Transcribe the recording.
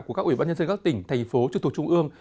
của các ủy ban nhân dân các tỉnh thành phố trực thuộc trung ương